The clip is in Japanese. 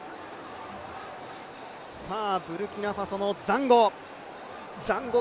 ブルキナファソのザンゴ。